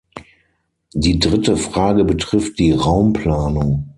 Die dritte Frage betrifft die Raumplanung.